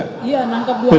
iya nangkap buaya juga pak